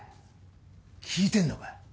聞いてんのかよ。